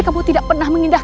kamu apa apanya faridah